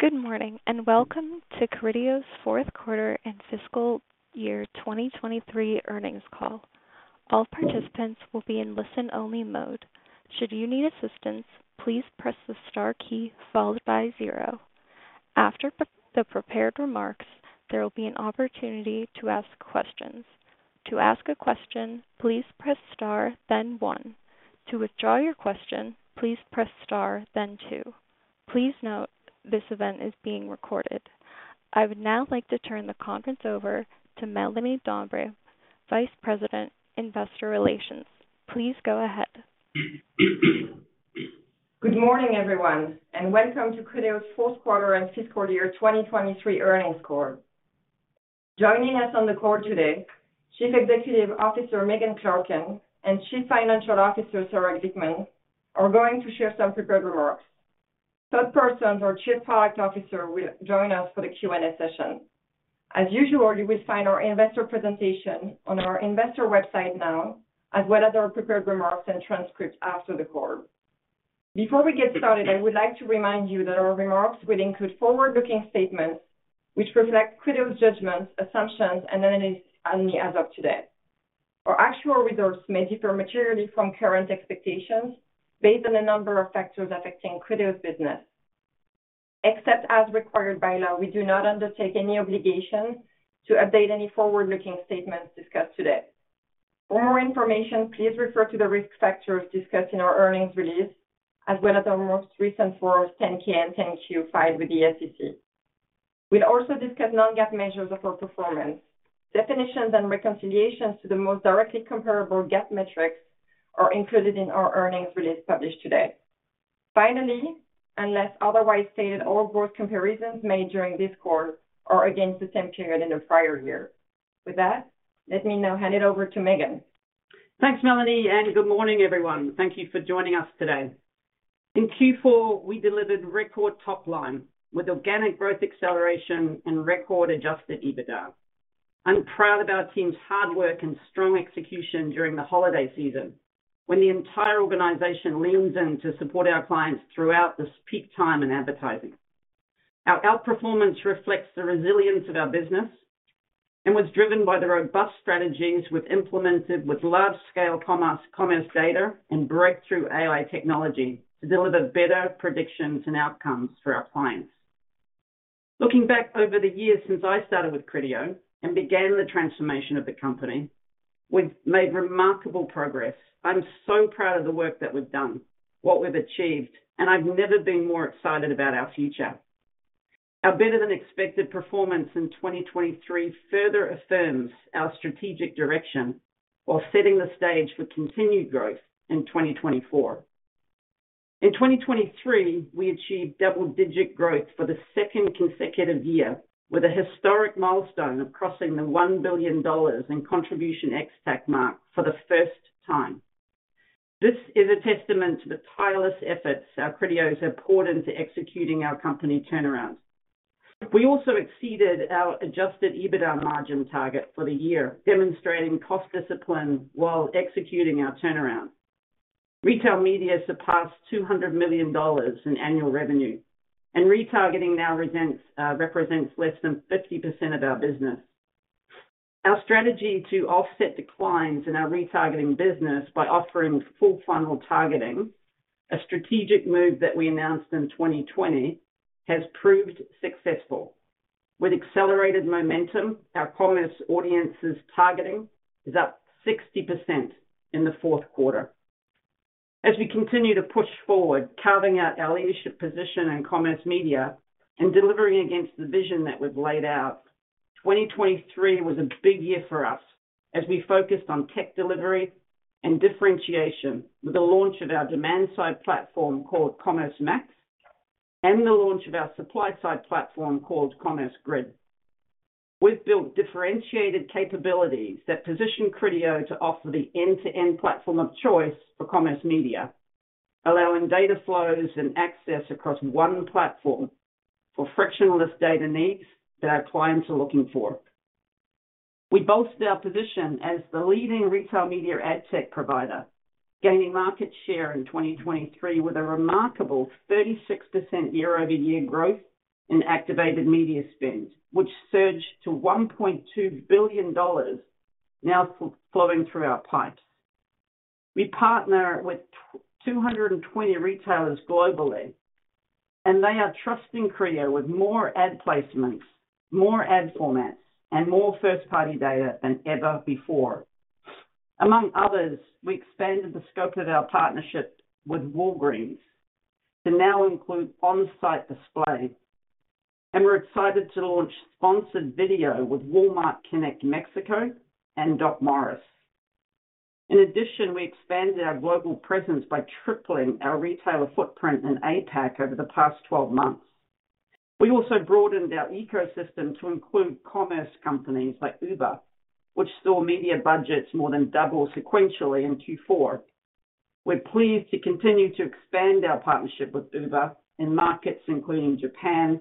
Good morning, and welcome to Criteo's fourth quarter and fiscal year 2023 earnings call. All participants will be in listen-only mode. Should you need assistance, please press the star key followed by zero. After the prepared remarks, there will be an opportunity to ask questions. To ask a question, please press star, then one. To withdraw your question, please press star, then two. Please note, this event is being recorded. I would now like to turn the conference over to Melanie Dambre, Vice President, Investor Relations. Please go ahead. Good morning, everyone, and welcome to Criteo's fourth quarter and fiscal year 2023 earnings call. Joining us on the call today, Chief Executive Officer, Megan Clarken, and Chief Financial Officer, Sarah Glickman, are going to share some prepared remarks. Todd Parsons, our Chief Product Officer, will join us for the Q&A session. As usual, you will find our investor presentation on our investor website now, as well as our prepared remarks and transcripts after the call. Before we get started, I would like to remind you that our remarks will include forward-looking statements which reflect Criteo's judgments, assumptions, and as of today. Our actual results may differ materially from current expectations based on a number of factors affecting Criteo's business. Except as required by law, we do not undertake any obligation to update any forward-looking statements discussed today. For more information, please refer to the risk factors discussed in our earnings release, as well as our most recent Form 10-K and 10-Q filed with the SEC. We'll also discuss non-GAAP measures of our performance. Definitions and reconciliations to the most directly comparable GAAP metrics are included in our earnings release published today. Finally, unless otherwise stated, all growth comparisons made during this call are against the same period in the prior year. With that, let me now hand it over to Megan. Thanks, Melanie, and good morning, everyone. Thank you for joining us today. In Q4, we delivered record top line with organic growth, acceleration, and record Adjusted EBITDA. I'm proud of our team's hard work and strong execution during the holiday season, when the entire organization leans in to support our clients throughout this peak time in advertising. Our outperformance reflects the resilience of our business and was driven by the robust strategies we've implemented with large-scale commerce, commerce data and breakthrough AI technology to deliver better predictions and outcomes for our clients. Looking back over the years since I started with Criteo and began the transformation of the company, we've made remarkable progress. I'm so proud of the work that we've done, what we've achieved, and I've never been more excited about our future. Our better-than-expected performance in 2023 further affirms our strategic direction while setting the stage for continued growth in 2024. In 2023, we achieved double-digit growth for the second consecutive year, with a historic milestone of crossing the $1 billion in Contribution ex-TAC mark for the first time. This is a testament to the tireless efforts our Criteos have poured into executing our company turnaround. We also exceeded our adjusted EBITDA margin target for the year, demonstrating cost discipline while executing our turnaround. Retail media surpassed $200 million in annual revenue, and retargeting now represents less than 50% of our business. Our strategy to offset declines in our retargeting business by offering full funnel targeting, a strategic move that we announced in 2020, has proved successful. With accelerated momentum, our Commerce Audiences targeting is up 60% in the fourth quarter. As we continue to push forward, carving out our leadership position in commerce media and delivering against the vision that we've laid out, 2023 was a big year for us as we focused on tech delivery and differentiation with the launch of our demand side platform called Commerce Max, and the launch of our supply side platform called Commerce Grid. We've built differentiated capabilities that position Criteo to offer the end-to-end platform of choice for commerce media, allowing data flows and access across one platform for frictionless data needs that our clients are looking for. We boasted our position as the leading retail media ad tech provider, gaining market share in 2023 with a remarkable 36% year-over-year growth in activated media spend, which surged to $1.2 billion now flowing through our pipes. We partner with 220 retailers globally, and they are trusting Criteo with more ad placements, more ad formats, and more first-party data than ever before. Among others, we expanded the scope of our partnership with Walgreens to now include on-site display, and we're excited to launch sponsored video with Walmart Connect Mexico and DocMorris. In addition, we expanded our global presence by tripling our retailer footprint in APAC over the past 12 months. We also broadened our ecosystem to include commerce companies like Uber, which saw media budgets more than double sequentially in Q4. We're pleased to continue to expand our partnership with Uber in markets including Japan,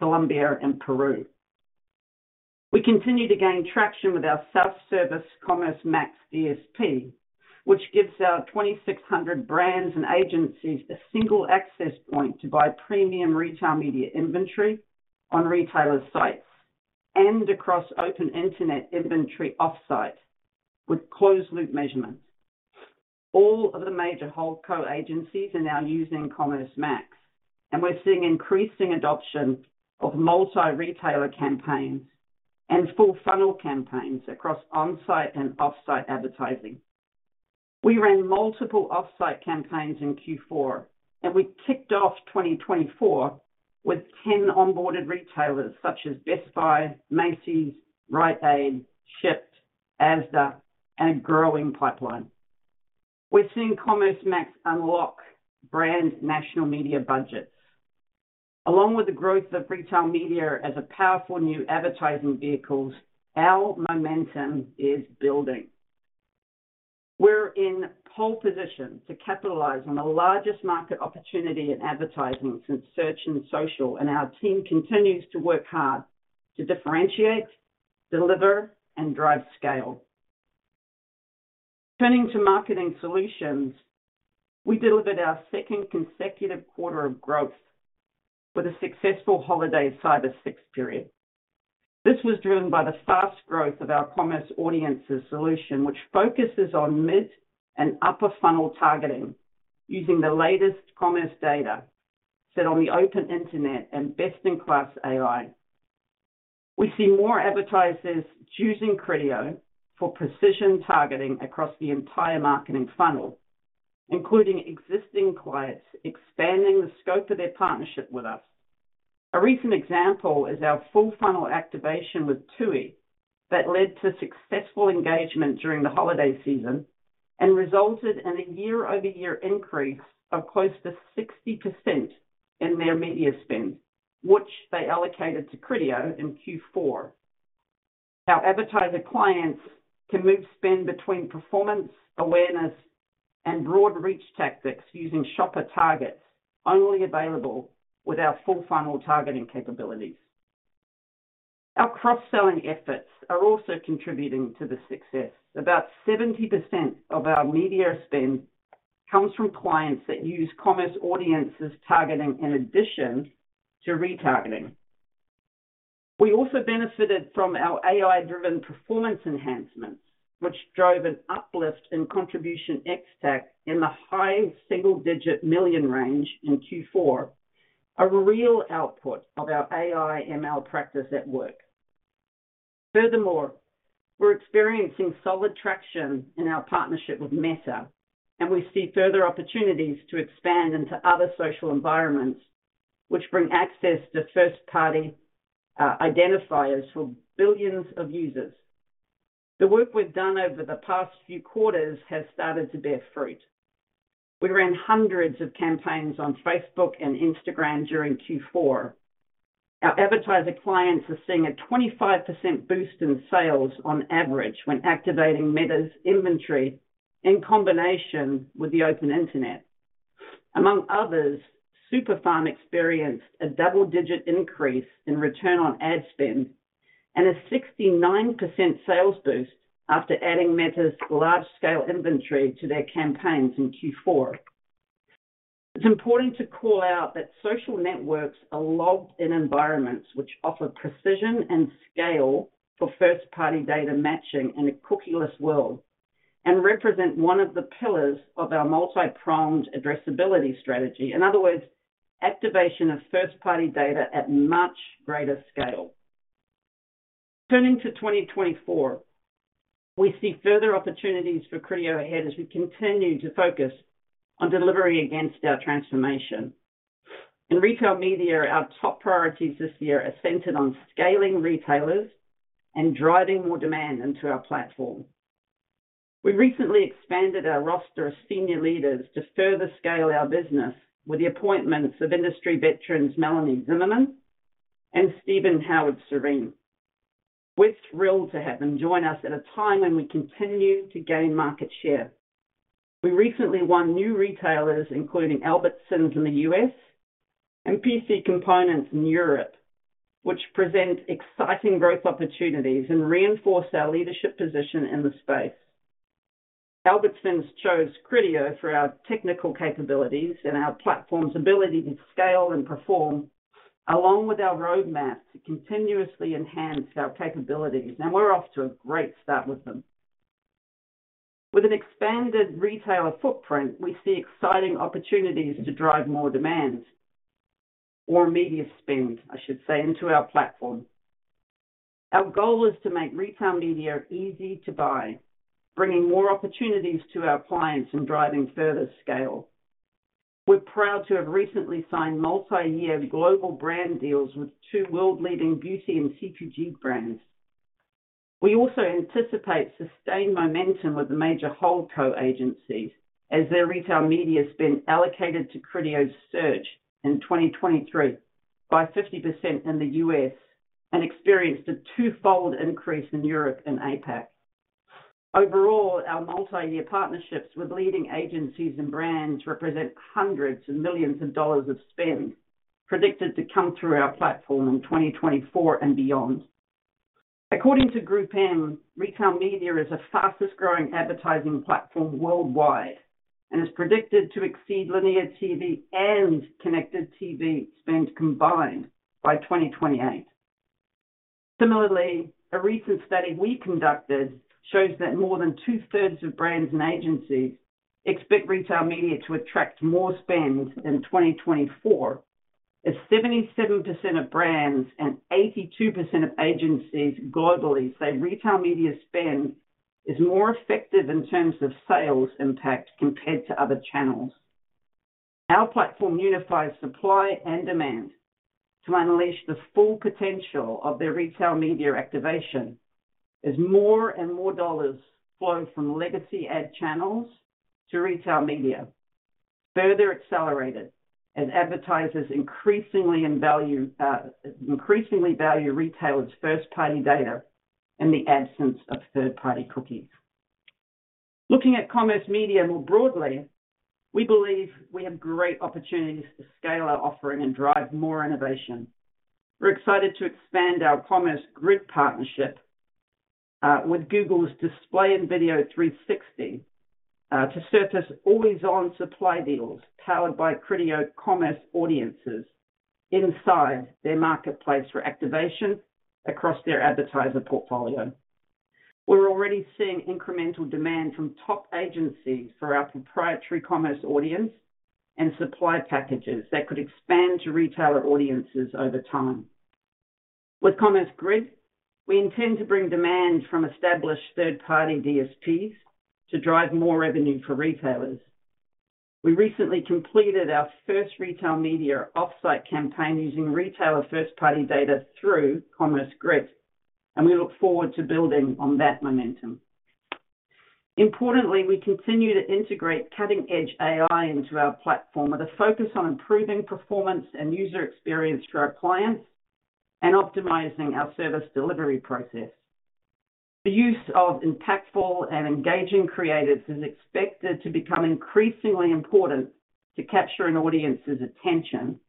Colombia, and Peru. We continue to gain traction with our self-service Commerce Max DSP, which gives our 2,600 brands and agencies a single access point to buy premium retail media inventory on retailers' sites and across Open Internet inventory offsite, with closed loop measurements. All of the major Holdco agencies are now using Commerce Max, and we're seeing increasing adoption of multi-retailer campaigns and full funnel campaigns across on-site and off-site advertising. We ran multiple off-site campaigns in Q4, and we kicked off 2024 with 10 onboarded retailers such as Best Buy, Macy's, Rite Aid, Shipt, Asda, and a growing pipeline. We're seeing Commerce Max unlock brand national media budgets. Along with the growth of retail media as a powerful new advertising vehicle, our momentum is building. We're in pole position to capitalize on the largest market opportunity in advertising since search and social, and our team continues to work hard to differentiate, deliver, and drive scale. Turning to Marketing Solutions, we delivered our second consecutive quarter of growth with a successful holiday Cyber 6 period. This was driven by the fast growth of our Commerce Audiences solution, which focuses on mid and upper funnel targeting, using the latest commerce data set on the Open Internet and best-in-class AI. We see more advertisers choosing Criteo for precision targeting across the entire marketing funnel, including existing clients, expanding the scope of their partnership with us. A recent example is our full funnel activation with TUI, that led to successful engagement during the holiday season and resulted in a year-over-year increase of close to 60% in their media spend, which they allocated to Criteo in Q4. Our advertiser clients can move spend between performance, awareness, and broad reach tactics using shopper targets, only available with our full funnel targeting capabilities. Our cross-selling efforts are also contributing to the success. About 70% of our media spend comes from clients that use Commerce Audiences targeting in addition to retargeting. We also benefited from our AI-driven performance enhancements, which drove an uplift in Contribution ex-TAC in the high single-digit million range in Q4, a real output of our AI ML practice at work. Furthermore, we're experiencing solid traction in our partnership with Meta, and we see further opportunities to expand into other social environments which bring access to first-party identifiers for billions of users. The work we've done over the past few quarters has started to bear fruit. We ran hundreds of campaigns on Facebook and Instagram during Q4. Our advertiser clients are seeing a 25% boost in sales on average, when activating Meta's inventory in combination with the Open Internet. Among others, Super-Pharm experienced a double-digit increase in return on ad spend, and a 69% sales boost after adding Meta's large-scale inventory to their campaigns in Q4. It's important to call out that social networks are logged-in environments which offer precision and scale for first-party data matching in a cookieless world, and represent one of the pillars of our multi-pronged addressability strategy. In other words, activation of first-party data at much greater scale. Turning to 2024, we see further opportunities for Criteo ahead as we continue to focus on delivering against our transformation. In retail media, our top priorities this year are centered on scaling retailers and driving more demand into our platform. We recently expanded our roster of senior leaders to further scale our business with the appointments of industry veterans, Melanie Zimmermann and Stephen Howard-Sarin. We're thrilled to have them join us at a time when we continue to gain market share. We recently won new retailers, including Albertsons in the U.S. and PcComponentes in Europe, which present exciting growth opportunities and reinforce our leadership position in the space. Albertsons chose Criteo for our technical capabilities and our platform's ability to scale and perform, along with our roadmap to continuously enhance our capabilities, and we're off to a great start with them. With an expanded retailer footprint, we see exciting opportunities to drive more demand or media spend, I should say, into our platform. Our goal is to make retail media easy to buy, bringing more opportunities to our clients and driving further scale. We're proud to have recently signed multi-year global brand deals with two world-leading beauty and CPG brands. We also anticipate sustained momentum with the major Holdco agencies, as their retail media spend allocated to Criteo's share grew in 2023 by 50% in the U.S., and experienced a twofold increase in Europe and APAC. Overall, our multi-year partnerships with leading agencies and brands represent hundreds of millions of dollars of spend, predicted to come through our platform in 2024 and beyond. According to GroupM, retail media is the fastest-growing advertising platform worldwide, and is predicted to exceed linear TV and connected TV spend combined by 2028. Similarly, a recent study we conducted shows that more than two-thirds of brands and agencies expect retail media to attract more spend in 2024, as 77% of brands and 82% of agencies globally say retail media spend is more effective in terms of sales impact compared to other channels. Our platform unifies supply and demand to unleash the full potential of their retail media activation, as more and more dollars flow from legacy ad channels to retail media, further accelerated as advertisers increasingly in value, increasingly value retailers' first-party data in the absence of third-party cookies. Looking at commerce media more broadly, we believe we have great opportunities to scale our offering and drive more innovation. We're excited to expand our Commerce Grid partnership with Google's Display & Video 360 to surface always-on supply deals powered by Criteo Commerce Audiences inside their marketplace for activation across their advertiser portfolio. We're already seeing incremental demand from top agencies for our proprietary commerce audience and supply packages that could expand to retailer audiences over time. With Commerce Grid, we intend to bring demand from established third-party DSPs to drive more revenue for retailers. We recently completed our first retail media off-site campaign using retailer first-party data through Commerce Grid, and we look forward to building on that momentum. Importantly, we continue to integrate cutting-edge AI into our platform with a focus on improving performance and user experience for our clients and optimizing our service delivery process. The use of impactful and engaging creatives is expected to become increasingly important to capture an audience's attention.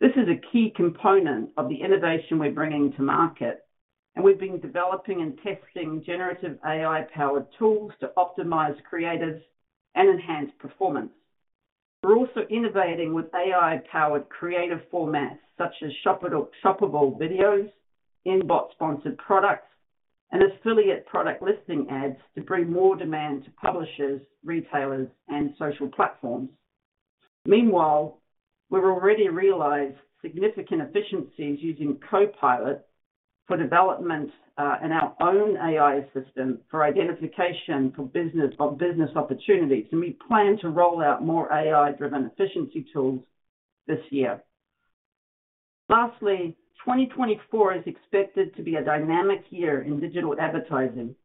This is a key component of the innovation we're bringing to market, and we've been developing and testing generative AI-powered tools to optimize creatives and enhance performance. We're also innovating with AI-powered creative formats, such as shoppable videos, in-bot sponsored products, and affiliate product listing ads to bring more demand to publishers, retailers, and social platforms. Meanwhile, we've already realized significant efficiencies using Copilot for development, and our own AI assistant for identification, for business opportunities, and we plan to roll out more AI-driven efficiency tools this year. Lastly, 2024 is expected to be a dynamic year in digital advertising,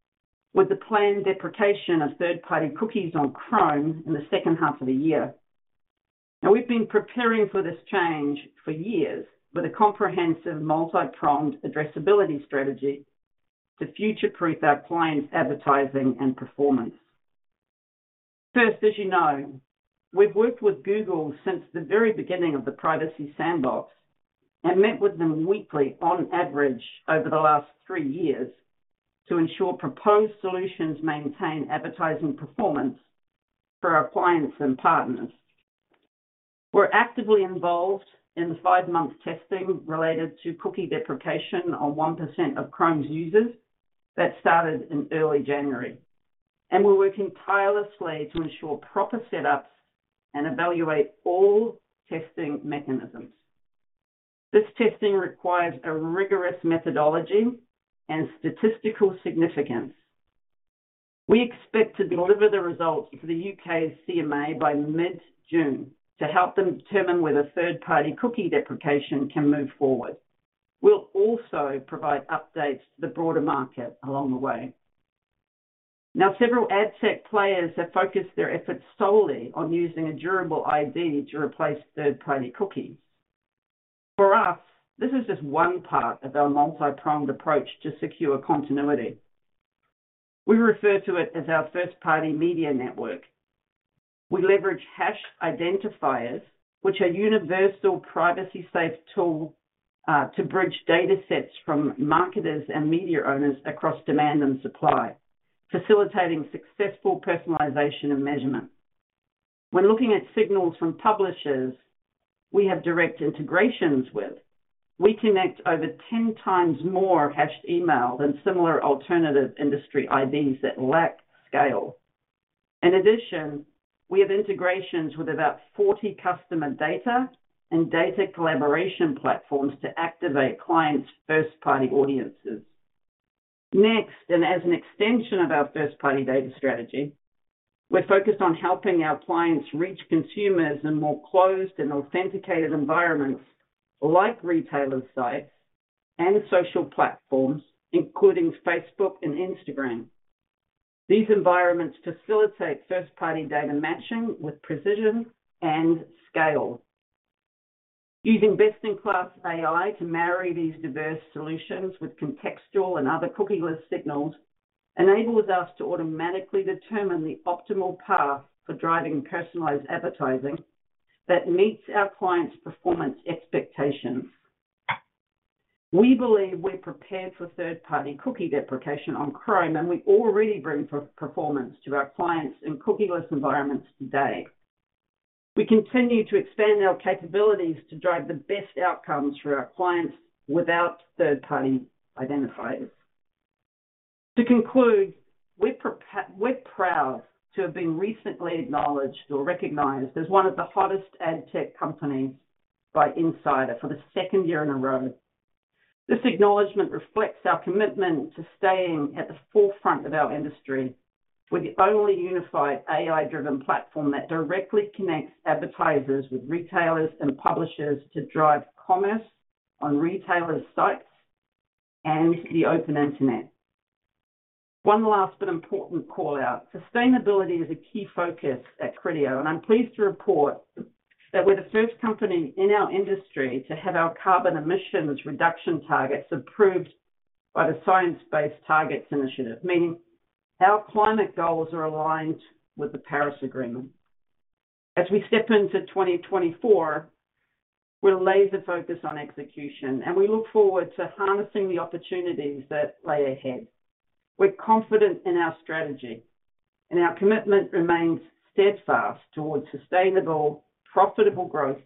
with the planned deprecation of third-party cookies on Chrome in the second half of the year. Now, we've been preparing for this change for years with a comprehensive, multi-pronged addressability strategy to future-proof our clients' advertising and performance. First, as you know, we've worked with Google since the very beginning of the Privacy Sandbox and met with them weekly on average over the last three years, to ensure proposed solutions maintain advertising performance for our clients and partners. We're actively involved in the five-month testing related to cookie deprecation on 1% of Chrome's users that started in early January, and we're working tirelessly to ensure proper setups and evaluate all testing mechanisms. This testing requires a rigorous methodology and statistical significance. We expect to deliver the results to the U.K.'s CMA by mid-June to help them determine whether third-party cookie deprecation can move forward. We'll also provide updates to the broader market along the way. Now, several ad tech players have focused their efforts solely on using a durable ID to replace third-party cookies. For us, this is just one part of our multi-pronged approach to secure continuity. We refer to it as our first-party media network. We leverage hashed identifiers, which are universal, privacy-safe tool, to bridge datasets from marketers and media owners across demand and supply, facilitating successful personalization and measurement. When looking at signals from publishers we have direct integrations with, we connect over 10 times more hashed email than similar alternative industry IDs that lack scale. In addition, we have integrations with about 40 customer data and data collaboration platforms to activate clients' first-party audiences. Next, and as an extension of our first-party data strategy, we're focused on helping our clients reach consumers in more closed and authenticated environments like retailer sites and social platforms, including Facebook and Instagram. These environments facilitate first-party data matching with precision and scale.... Using best-in-class AI to marry these diverse solutions with contextual and other cookieless signals enables us to automatically determine the optimal path for driving personalized advertising that meets our clients' performance expectations. We believe we're prepared for third-party cookie deprecation on Chrome, and we already bring performance to our clients in cookieless environments today. We continue to expand our capabilities to drive the best outcomes for our clients without third-party identifiers. To conclude, we're proud to have been recently acknowledged or recognized as one of the hottest ad tech companies by Insider for the second year in a row. This acknowledgment reflects our commitment to staying at the forefront of our industry, with the only unified AI-driven platform that directly connects advertisers with retailers and publishers to drive commerce on retailers' sites and the Open Internet. One last but important call-out, sustainability is a key focus at Criteo, and I'm pleased to report that we're the first company in our industry to have our carbon emissions reduction targets approved by the Science Based Targets initiative, meaning our climate goals are aligned with the Paris Agreement. As we step into 2024, we're laser-focused on execution, and we look forward to harnessing the opportunities that lie ahead. We're confident in our strategy, and our commitment remains steadfast towards sustainable, profitable growth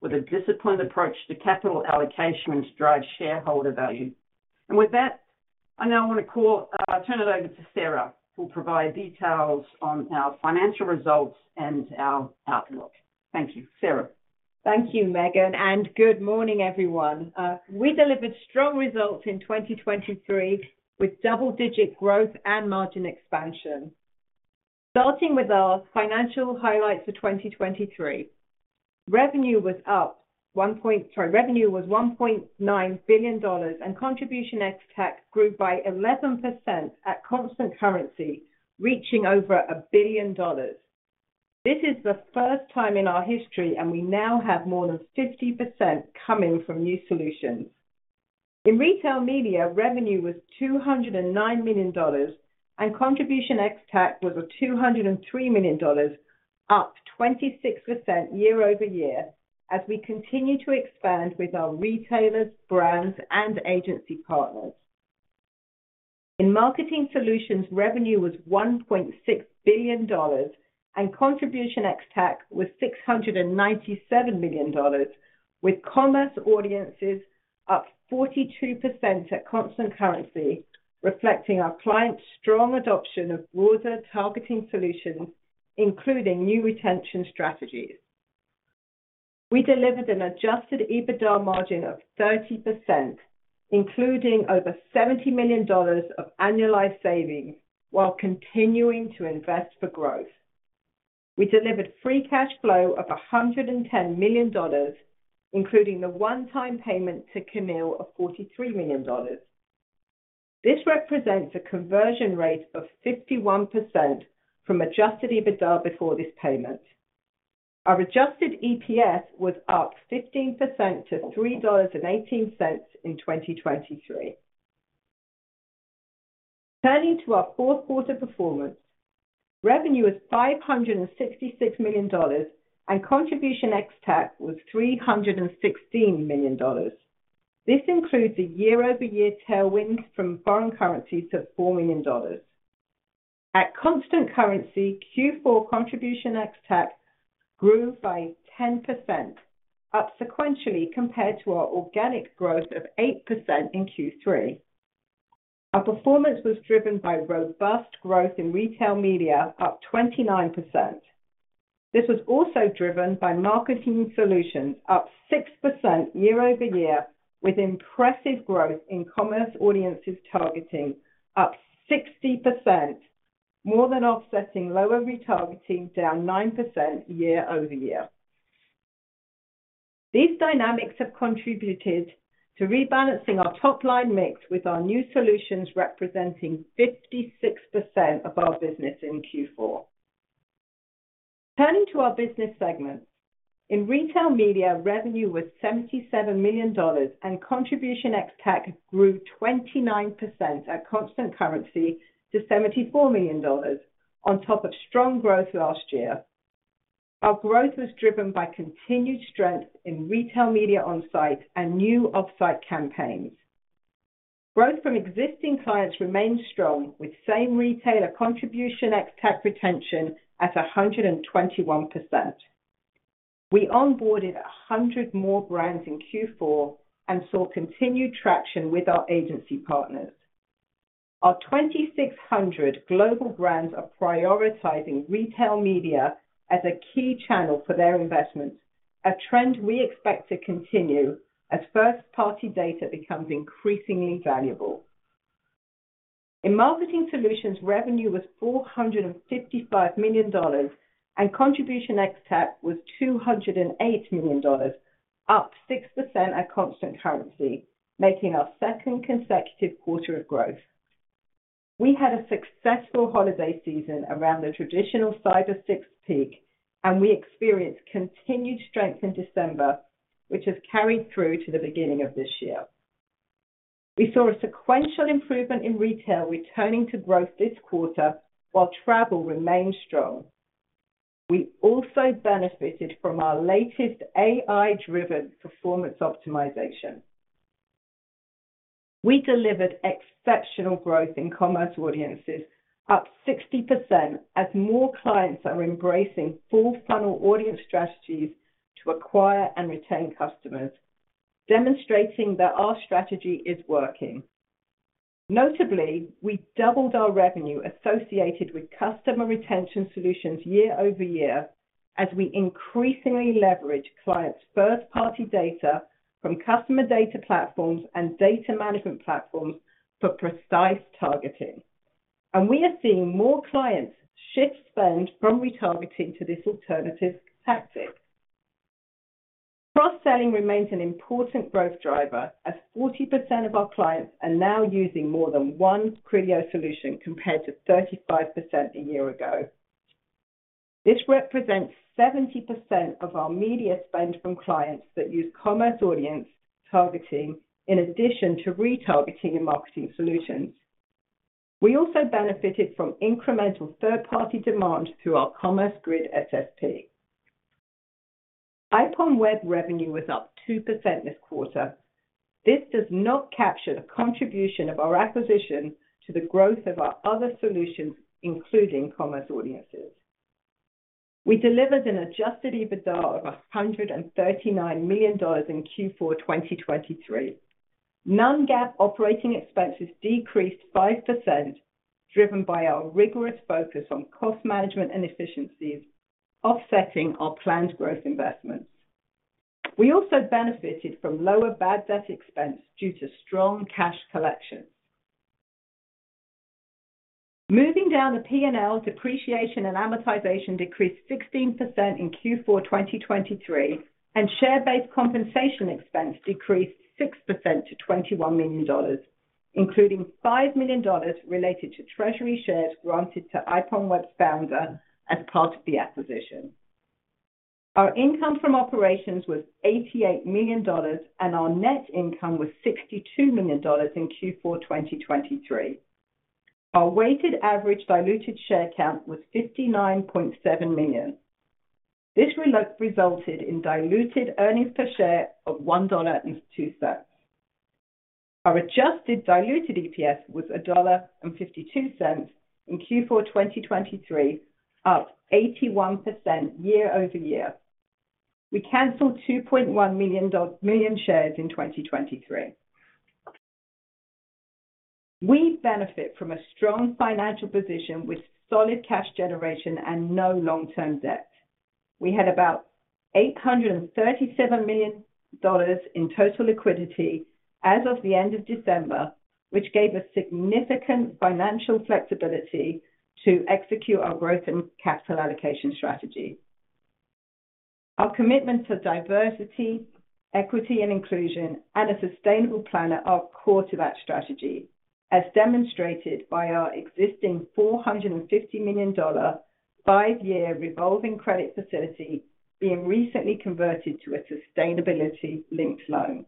with a disciplined approach to capital allocation to drive shareholder value. And with that, I now want to call, turn it over to Sarah, who'll provide details on our financial results and our outlook. Thank you. Sarah? Thank you, Megan, and good morning, everyone. We delivered strong results in 2023 with double-digit growth and margin expansion. Starting with our financial highlights for 2023. Revenue was $1.9 billion, and Contribution ex-TAC grew by 11% at constant currency, reaching over $1 billion. This is the first time in our history, and we now have more than 50% coming from new solutions. In retail media, revenue was $209 million, and Contribution ex-TAC was $203 million, up 26% year-over-year, as we continue to expand with our retailers, brands, and agency partners. In Marketing Solutions, revenue was $1.6 billion, and Contribution ex-TAC was $697 million, with Commerce Audiences up 42% at constant currency, reflecting our clients' strong adoption of broader targeting solutions, including new retention strategies. We delivered an Adjusted EBITDA margin of 30%, including over $70 million of annualized savings, while continuing to invest for growth. We delivered Free Cash Flow of $110 million, including the one-time payment to CNIL of $43 million. This represents a conversion rate of 51% from Adjusted EBITDA before this payment. Our Adjusted EPS was up 15% to $3.18 in 2023. Turning to our fourth quarter performance, revenue was $566 million, and Contribution ex-TAC was $316 million. This includes a year-over-year tailwind from foreign currency to $4 million. At constant currency, Q4 Contribution ex-TAC grew by 10%, up sequentially compared to our organic growth of 8% in Q3. Our performance was driven by robust growth in retail media, up 29%. This was also driven by Marketing Solutions, up 6% year over year, with impressive growth in Commerce Audiences targeting, up 60%, more than offsetting lower retargeting, down 9% year over year. These dynamics have contributed to rebalancing our top-line mix, with our new solutions representing 56% of our business in Q4. Turning to our business segments, in retail media, revenue was $77 million, and Contribution ex-TAC grew 29% at constant currency to $74 million, on top of strong growth last year. Our growth was driven by continued strength in retail media on-site and new off-site campaigns. Growth from existing clients remained strong, with same retailer Contribution ex-TAC retention at 121%. We onboarded 100 more brands in Q4 and saw continued traction with our agency partners. Our 2,600 global brands are prioritizing retail media as a key channel for their investments, a trend we expect to continue as first-party data becomes increasingly valuable. In Marketing Solutions, revenue was $455 million, and contribution ex-TAC was $208 million, up 6% at constant currency, making our second consecutive quarter of growth. We had a successful holiday season around the traditional Cyber 6 peak, and we experienced continued strength in December, which has carried through to the beginning of this year. We saw a sequential improvement in retail returning to growth this quarter, while travel remained strong. We also benefited from our latest AI-driven performance optimization. We delivered exceptional growth in commerce audiences, up 60%, as more clients are embracing full funnel audience strategies to acquire and retain customers, demonstrating that our strategy is working. Notably, we doubled our revenue associated with customer retention solutions year-over-year, as we increasingly leverage clients' first-party data from customer data platforms and data management platforms for precise targeting. And we are seeing more clients shift spend from retargeting to this alternative tactic. Cross-selling remains an important growth driver, as 40% of our clients are now using more than one Criteo solution, compared to 35% a year ago. This represents 70% of our media spend from clients that use commerce audience targeting, in addition to retargeting and Marketing Solutions. We also benefited from incremental third-party demand through our Commerce Grid SSP. IPONWEB revenue was up 2% this quarter. This does not capture the contribution of our acquisition to the growth of our other solutions, including Commerce Audiences. We delivered an Adjusted EBITDA of $139 million in Q4 2023. Non-GAAP operating expenses decreased 5%, driven by our rigorous focus on cost management and efficiencies, offsetting our planned growth investments. We also benefited from lower bad debt expense due to strong cash collections. Moving down the PNL, depreciation and amortization decreased 16% in Q4 2023, and share-based compensation expense decreased 6% to $21 million, including $5 million related to treasury shares granted to IPONWEB's founder as part of the acquisition. Our income from operations was $88 million, and our net income was $62 million in Q4 2023. Our weighted average diluted share count was 59.7 million. This resulted in diluted earnings per share of $1.02. Our adjusted diluted EPS was $1.52 in Q4 2023, up 81% year-over-year. We canceled 2.1 million shares in 2023. We benefit from a strong financial position with solid cash generation and no long-term debt. We had about $837 million in total liquidity as of the end of December, which gave us significant financial flexibility to execute our growth and capital allocation strategy. Our commitment to diversity, equity, and inclusion, and a sustainable planet are core to that strategy, as demonstrated by our existing $450 million five-year revolving credit facility being recently converted to a sustainability-linked loan.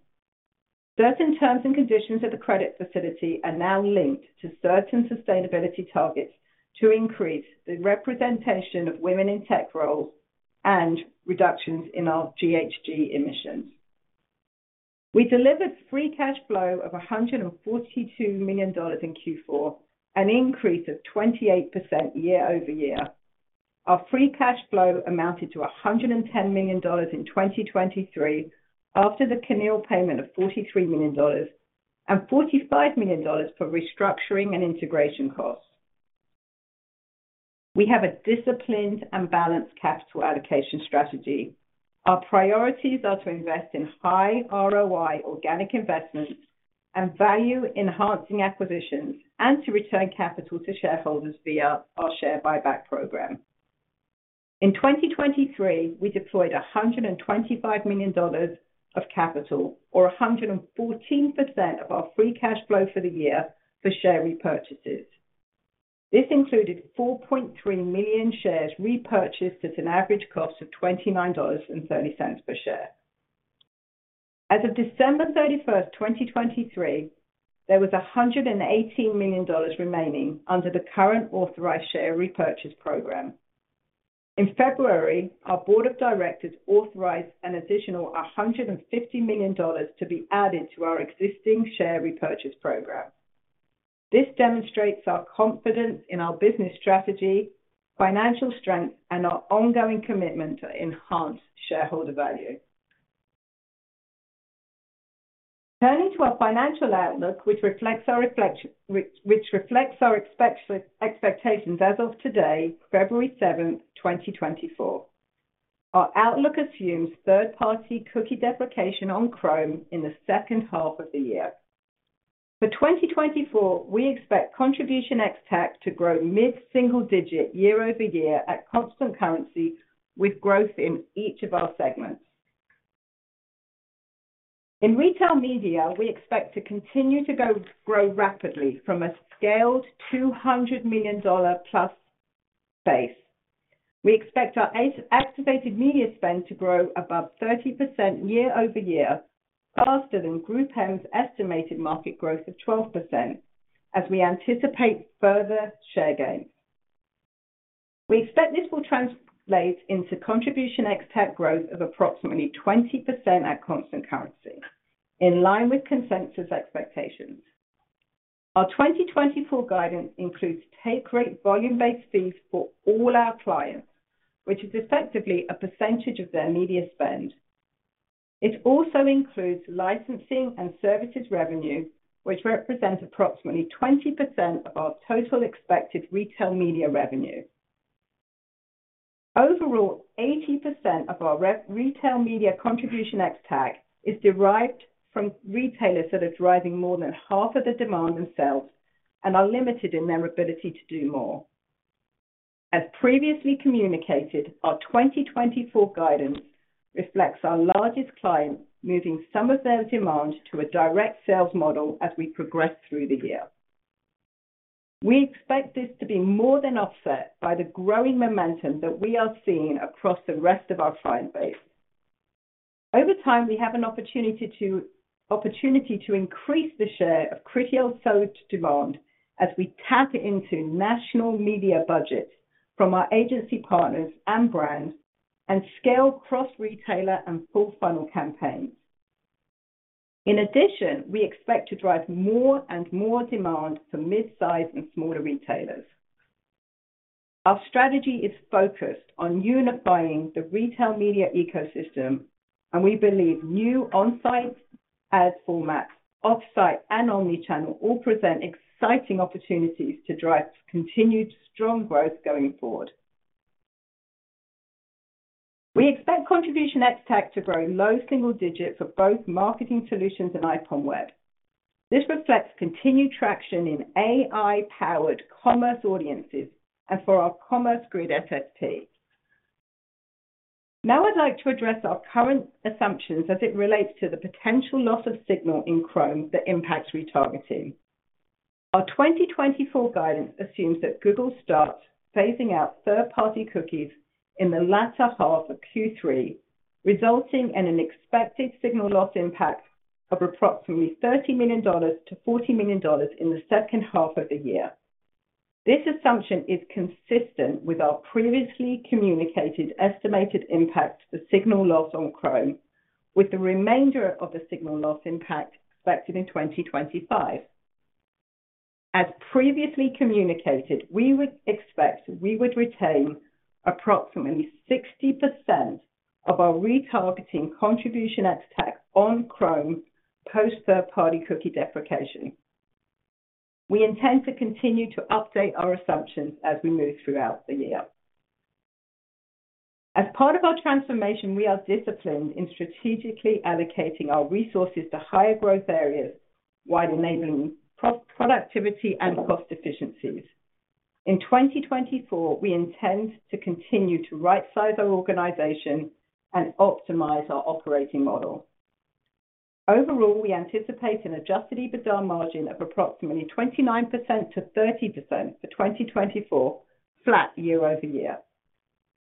Certain terms and conditions of the credit facility are now linked to certain sustainability targets to increase the representation of women in tech roles and reductions in our GHG emissions. We delivered free cash flow of $142 million in Q4, an increase of 28% year-over-year. Our free cash flow amounted to $110 million in 2023, after the CNIL payment of $43 million and $45 million for restructuring and integration costs. We have a disciplined and balanced capital allocation strategy. Our priorities are to invest in high ROI organic investments and value-enhancing acquisitions, and to return capital to shareholders via our share buyback program. In 2023, we deployed $125 million of capital, or 114% of our free cash flow for the year, for share repurchases. This included 4.3 million shares repurchased at an average cost of $29.30 per share. As of December 31, 2023, there was $118 million remaining under the current authorized share repurchase program. In February, our board of directors authorized an additional $150 million to be added to our existing share repurchase program. This demonstrates our confidence in our business strategy, financial strength, and our ongoing commitment to enhance shareholder value. Turning to our financial outlook, which reflects our expectations as of today, February 7, 2024. Our outlook assumes third-party cookie deprecation on Chrome in the second half of the year. For 2024, we expect Contribution ex-TAC to grow mid-single-digit year-over-year at constant currency, with growth in each of our segments. In retail media, we expect to continue to grow rapidly from a scaled $200 million+ base. We expect our activated media spend to grow above 30% year-over-year, faster than GroupM's estimated market growth of 12%, as we anticipate further share gains. We expect this will translate into Contribution ex-TAC growth of approximately 20% at constant currency, in line with consensus expectations. Our 2024 guidance includes take rate volume-based fees for all our clients, which is effectively a percentage of their media spend. It also includes licensing and services revenue, which represents approximately 20% of our total expected retail media revenue. Overall, 80% of our retail media Contribution ex-TAC is derived from retailers that are driving more than half of the demand themselves and are limited in their ability to do more. As previously communicated, our 2024 guidance reflects our largest client moving some of their demand to a direct sales model as we progress through the year. We expect this to be more than offset by the growing momentum that we are seeing across the rest of our client base. Over time, we have an opportunity to increase the share of Criteo sold demand as we tap into national media budgets from our agency partners and brands, and scale cross-retailer and full funnel campaigns. In addition, we expect to drive more and more demand to mid-size and smaller retailers. Our strategy is focused on unifying the retail media ecosystem, and we believe new on-site ad formats, off-site and omni-channel, all present exciting opportunities to drive continued strong growth going forward. We expect Contribution ex-TAC to grow low single digits for both Marketing Solutions and IPONWEB. This reflects continued traction in AI-powered Commerce Audiences and for our Commerce Grid SSP. Now, I'd like to address our current assumptions as it relates to the potential loss of signal in Chrome that impacts retargeting. Our 2024 guidance assumes that Google starts phasing out third-party cookies in the latter half of Q3, resulting in an expected signal loss impact of approximately $30 million-$40 million in the second half of the year. This assumption is consistent with our previously communicated estimated impact for signal loss on Chrome, with the remainder of the signal loss impact expected in 2025. As previously communicated, we would expect we would retain approximately 60% of our retargeting Contribution ex-TAC on Chrome post third-party cookie deprecation. We intend to continue to update our assumptions as we move throughout the year. As part of our transformation, we are disciplined in strategically allocating our resources to higher growth areas, while enabling productivity and cost efficiencies. In 2024, we intend to continue to right-size our organization and optimize our operating model. Overall, we anticipate an Adjusted EBITDA margin of approximately 29%-30% for 2024, flat year-over-year.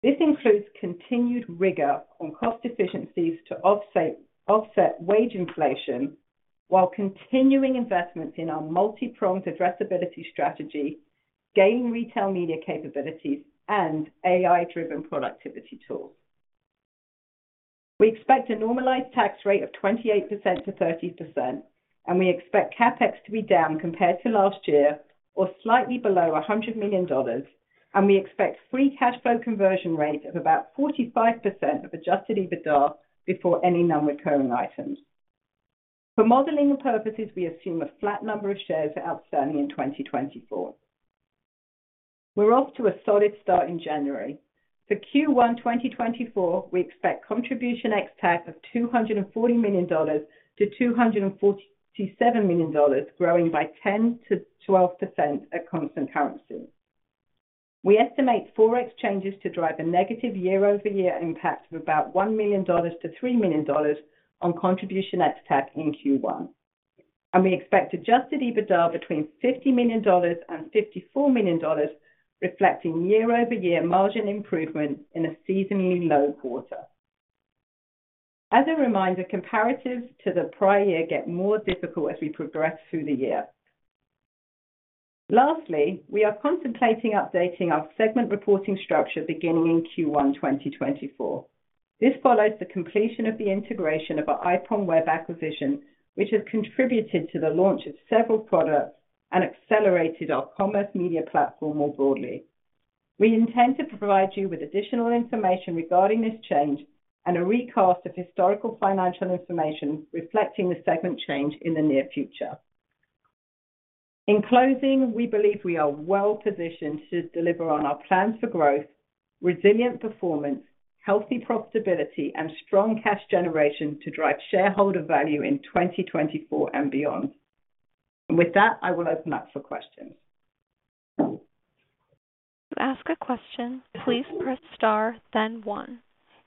This includes continued rigor on cost efficiencies to offset wage inflation, while continuing investments in our multi-pronged addressability strategy, gain retail media capabilities, and AI-driven productivity tools. We expect a normalized tax rate of 28%-30%, and we expect CapEx to be down compared to last year, or slightly below $100 million, and we expect free cash flow conversion rate of about 45% of adjusted EBITDA before any non-recurring items. For modeling purposes, we assume a flat number of shares outstanding in 2024. We're off to a solid start in January. For Q1 2024, we expect Contribution ex-TAC of $240 million-$247 million, growing by 10%-12% at constant currency. We estimate forex changes to drive a negative year-over-year impact of about $1 million-$3 million on Contribution ex-TAC in Q1. And we expect adjusted EBITDA between $50 million and $54 million, reflecting year-over-year margin improvement in a seasonally low quarter. As a reminder, comparatives to the prior year get more difficult as we progress through the year. Lastly, we are contemplating updating our segment reporting structure beginning in Q1 2024. This follows the completion of the integration of our IPONWEB acquisition, which has contributed to the launch of several products and accelerated our commerce media platform more broadly. We intend to provide you with additional information regarding this change and a recast of historical financial information reflecting the segment change in the near future. In closing, we believe we are well positioned to deliver on our plans for growth, resilient performance, healthy profitability, and strong cash generation to drive shareholder value in 2024 and beyond. With that, I will open up for questions. Ask a question, please press star, then one.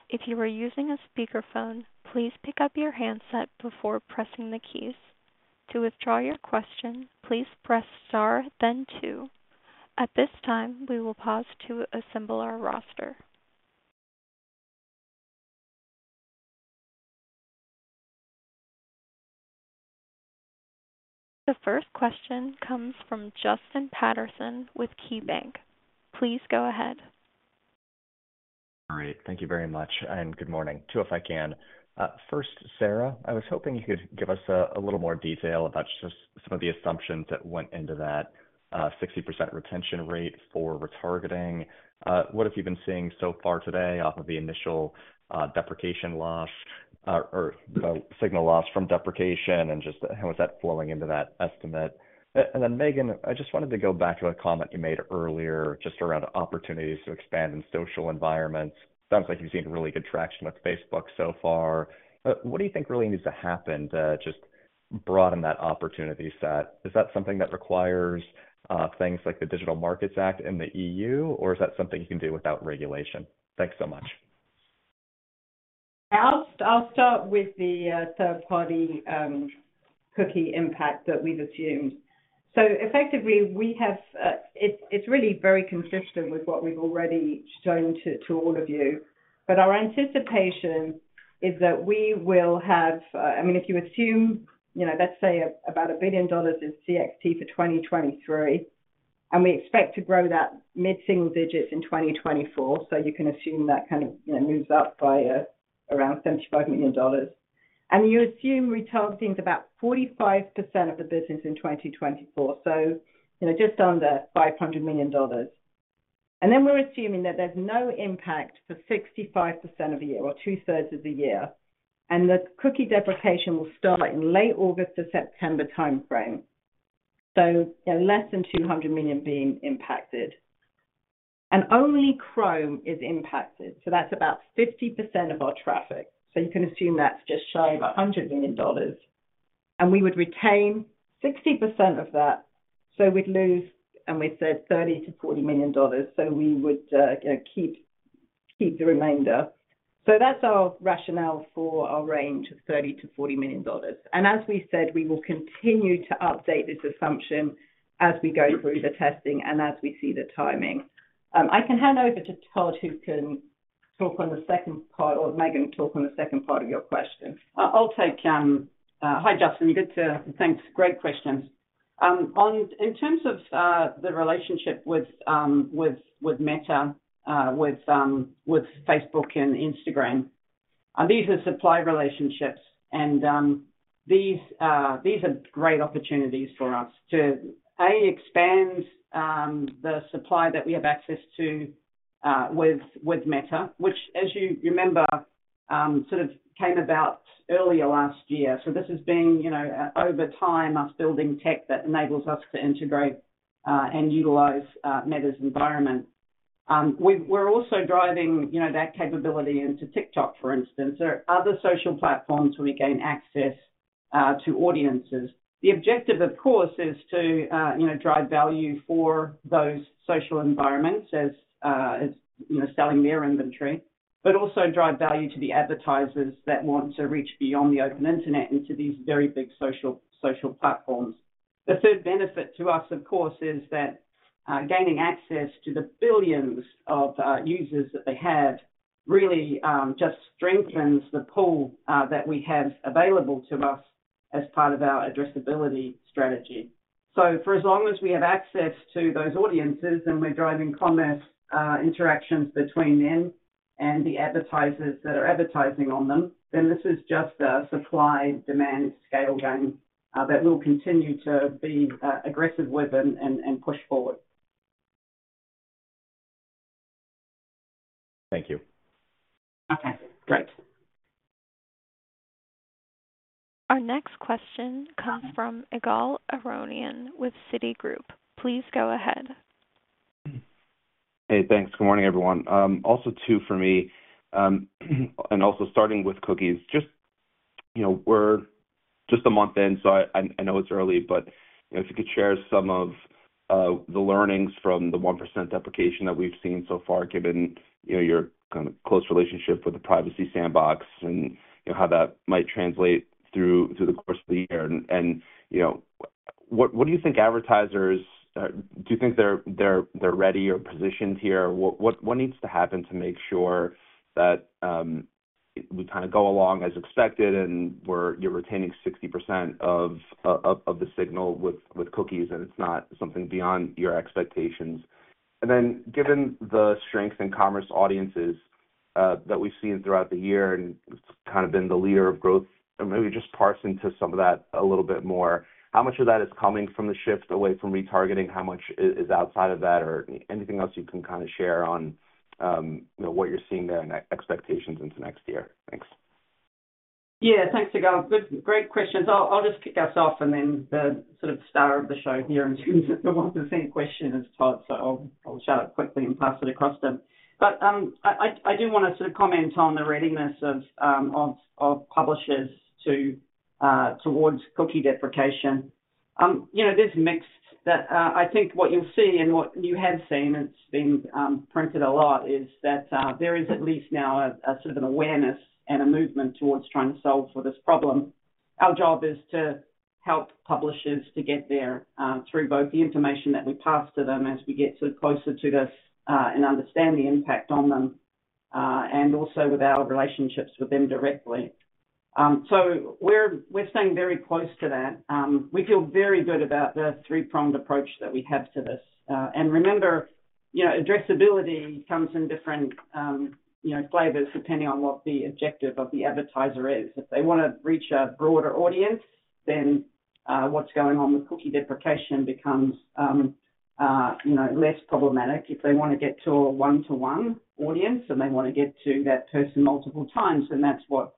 If you are using a speakerphone, please pick up your handset before pressing the keys. To withdraw your question, please press star then two. At this time, we will pause to assemble our roster. The first question comes from Justin Patterson with KeyBanc. Please go ahead. Great. Thank you very much, and good morning. Two, if I can. First, Sarah, I was hoping you could give us a little more detail about just some of the assumptions that went into that 60% retention rate for retargeting. What have you been seeing so far today off of the initial deprecation loss, or, you know, signal loss from deprecation, and just how is that flowing into that estimate? And then, Megan, I just wanted to go back to a comment you made earlier, just around opportunities to expand in social environments. Sounds like you've seen really good traction with Facebook so far. What do you think really needs to happen to just broaden that opportunity set? Is that something that requires things like the Digital Markets Act in the EU, or is that something you can do without regulation? Thanks so much. I'll start with the third-party cookie impact that we've assumed. So effectively, we have... It's really very consistent with what we've already shown to all of you. But our anticipation is that we will have, I mean, if you assume, you know, let's say about $1 billion in CXT for 2023, and we expect to grow that mid-single digits in 2024, so you can assume that kind of, you know, moves up by around $75 million. And you assume retargeting is about 45% of the business in 2024, so, you know, just under $500 million. And then we're assuming that there's no impact for 65% of the year or two-thirds of the year, and the cookie deprecation will start in late August to September timeframe. So, you know, less than 200 million being impacted. And only Chrome is impacted, so that's about 50% of our traffic. So you can assume that's just shy of $100 million, and we would retain 60% of that. So we'd lose, and we said $30 million-$40 million, so we would, you know, keep, keep the remainder. So that's our rationale for our range of $30 million-$40 million. And as we said, we will continue to update this assumption as we go through the testing and as we see the timing. I can hand over to Todd, who can talk on the second part, or Megan, talk on the second part of your question. Hi, Justin. Thanks. Great questions. In terms of the relationship with Meta, with Facebook and Instagram, these are supply relationships, and these are great opportunities for us to A, expand the supply that we have access to with Meta, which, as you remember, sort of came about earlier last year. So this has been, you know, over time, us building tech that enables us to integrate and utilize Meta's environment. We're also driving, you know, that capability into TikTok, for instance, or other social platforms where we gain access to audiences. The objective, of course, is to, you know, drive value for those social environments as, as, you know, selling their inventory, but also drive value to the advertisers that want to reach beyond the Open Internet into these very big social, social platforms. The third benefit to us, of course, is that, gaining access to the billions of users that they have really just strengthens the pool, that we have available to us as part of our addressability strategy. So for as long as we have access to those audiences and we're driving commerce interactions between them and the advertisers that are advertising on them, then this is just a supply-demand scale game, that we'll continue to be aggressive with and push forward. Thank you. Okay, great. Our next question comes from Ygal Arounian with Citigroup. Please go ahead. Hey, thanks. Good morning, everyone. Also, two for me. And also starting with cookies, just, you know, we're just a month in, so I know it's early, but, you know, if you could share some of the learnings from the 1% deprecation that we've seen so far, given, you know, your kind of close relationship with the Privacy Sandbox, and, you know, how that might translate through the course of the year. And, you know, what do you think advertisers, do you think they're ready or positioned here? What needs to happen to make sure that we kind of go along as expected and we're, you're retaining 60% of the signal with cookies, and it's not something beyond your expectations? Then, given the strength in Commerce Audiences, that we've seen throughout the year and kind of been the leader of growth, maybe just parse into some of that a little bit more. How much of that is coming from the shift away from retargeting? How much is outside of that? Or anything else you can kind of share on, you know, what you're seeing there and expectations into next year. Thanks. Yeah, thanks, Ygal. Good, great questions. I'll just kick us off and then the sort of star of the show here in terms of the 1% question is Todd, so I'll shout out quickly and pass it across to him. But I do want to sort of comment on the readiness of publishers towards cookie deprecation. You know, there's mixed. But I think what you'll see and what you have seen, it's been printed a lot, is that there is at least now a sort of an awareness and a movement towards trying to solve for this problem. Our job is to help publishers to get there, through both the information that we pass to them as we get closer to this, and understand the impact on them, and also with our relationships with them directly. So we're, we're staying very close to that. We feel very good about the three-pronged approach that we have to this. And remember, you know, addressability comes in different, you know, flavors, depending on what the objective of the advertiser is. If they wanna reach a broader audience, then, what's going on with cookie deprecation becomes, you know, less problematic. If they want to get to a one-to-one audience, and they want to get to that person multiple times, then that's what,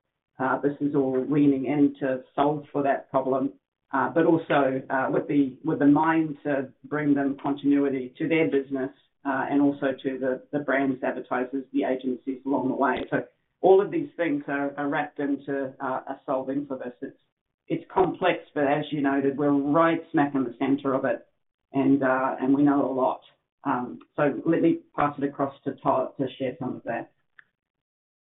this is all leaning in to solve for that problem. But also, with the mind to bring them continuity to their business, and also to the brands, advertisers, the agencies along the way. So all of these things are wrapped into a solving for this. It's complex, but as you noted, we're right smack in the center of it, and we know a lot. So let me pass it across to Todd to share some of that.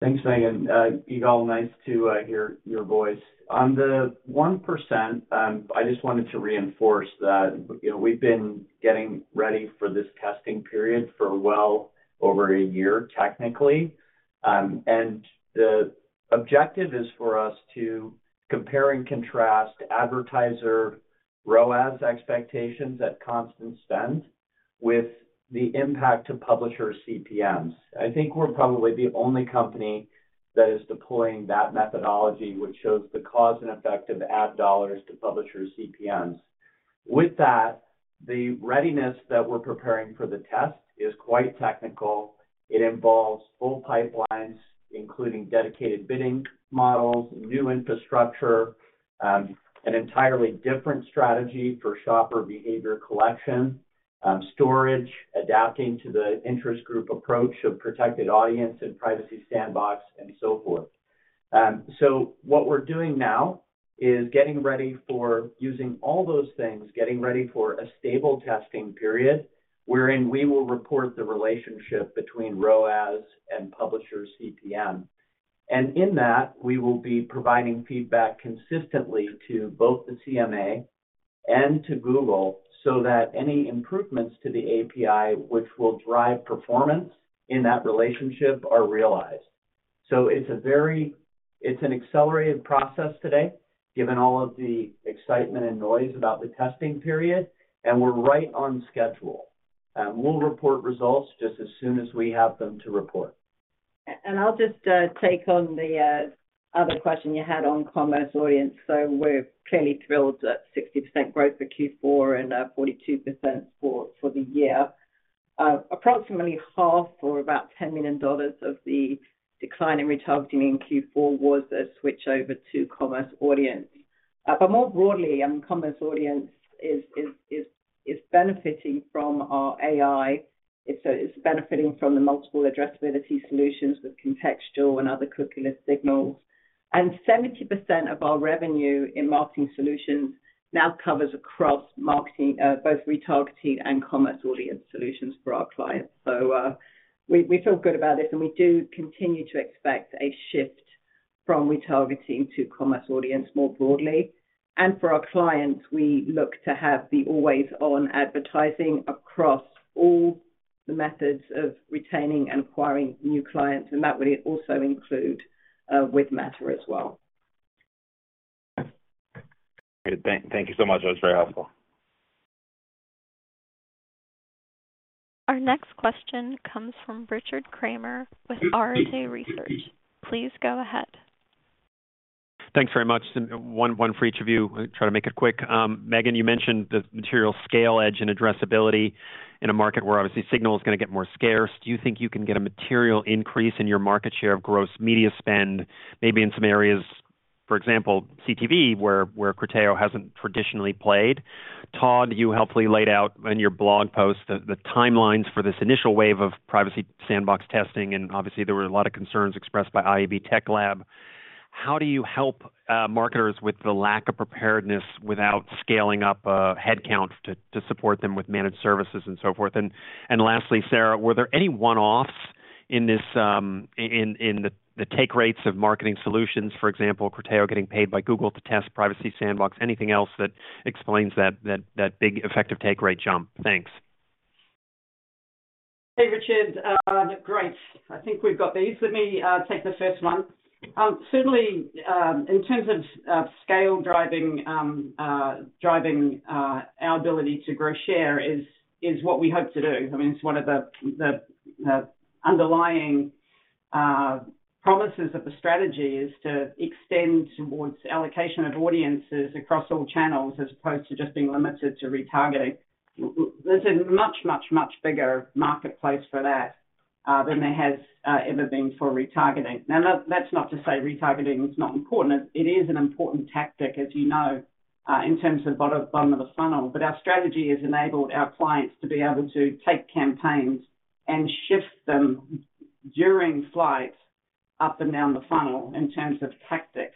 Thanks, Megan. Ygal, nice to hear your voice. On the 1%, I just wanted to reinforce that, you know, we've been getting ready for this testing period for well over a year, technically. And the objective is for us to compare and contrast advertiser ROAS expectations at constant spend with the impact to publisher CPMs. I think we're probably the only company that is deploying that methodology, which shows the cause and effect of ad dollars to publishers' CPMs. With that, the readiness that we're preparing for the test is quite technical. It involves full pipelines, including dedicated bidding models, new infrastructure, an entirely different strategy for shopper behavior collection, storage, adapting to the interest group approach of Protected Audience and Privacy Sandbox, and so forth. So what we're doing now is getting ready for using all those things, getting ready for a stable testing period, wherein we will report the relationship between ROAS and publisher CPM. And in that, we will be providing feedback consistently to both the CMA and to Google, so that any improvements to the API, which will drive performance in that relationship, are realized. So it's an accelerated process today, given all of the excitement and noise about the testing period, and we're right on schedule. We'll report results just as soon as we have them to report. I'll just take on the other question you had on Commerce Audience. So we're clearly thrilled that 60% growth for Q4 and 42% for the year. Approximately half or about $10 million of the decline in retargeting in Q4 was a switch over to Commerce Audience. But more broadly, Commerce Audience is benefiting from our AI. It's benefiting from the multiple addressability solutions with contextual and other cookieless signals. And 70% of our revenue in Marketing Solutions now covers across marketing both retargeting and Commerce Audience solutions for our clients. So we feel good about this, and we do continue to expect a shift from retargeting to Commerce Audience more broadly. For our clients, we look to have the always-on advertising across all the methods of retaining and acquiring new clients, and that would also include with Meta as well. Great. Thank you so much. That was very helpful. Our next question comes from Richard Kramer with Arete Research. Please go ahead. Thanks very much. One for each of you. I'll try to make it quick. Megan, you mentioned the material scale, edge, and addressability in a market where obviously signal is gonna get more scarce. Do you think you can get a material increase in your market share of gross media spend, maybe in some areas, for example, CTV, where Criteo hasn't traditionally played? Todd, you helpfully laid out in your blog post the timelines for this initial wave of Privacy Sandbox testing, and obviously, there were a lot of concerns expressed by IAB Tech Lab. How do you help marketers with the lack of preparedness without scaling up headcount to support them with managed services and so forth? Lastly, Sarah, were there any one-offs in this, in the take rates of Marketing Solutions, for example, Criteo getting paid by Google to test Privacy Sandbox? Anything else that explains that big effective take rate jump? Thanks. Hey, Richard. Great. I think we've got these. Let me take the first one. Certainly, in terms of scale driving our ability to grow share is what we hope to do. I mean, it's one of the underlying promises of the strategy is to extend towards allocation of audiences across all channels, as opposed to just being limited to retargeting. There's a much bigger marketplace for that than there has ever been for retargeting. Now, that's not to say retargeting is not important. It is an important tactic, as you know, in terms of bottom of the funnel. But our strategy has enabled our clients to be able to take campaigns and shift them during flight up and down the funnel in terms of tactics,